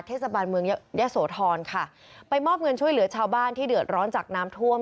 เทศบาลเมืองยะโสธรค่ะไปมอบเงินช่วยเหลือชาวบ้านที่เดือดร้อนจากน้ำท่วม